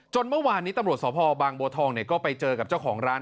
เมื่อวานนี้ตำรวจสพบางบัวทองก็ไปเจอกับเจ้าของร้าน